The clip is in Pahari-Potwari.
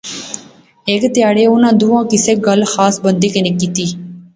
ہیک تہاڑے اُنی تہوں نی گل کُسے خاص بندے کنے کیتی